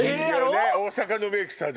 大阪のメイクさん